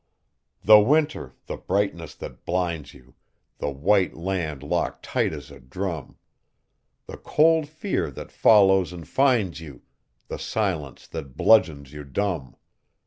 The winter! the brightness that blinds you, The white land locked tight as a drum, The cold fear that follows and finds you, The silence that bludgeons you dumb.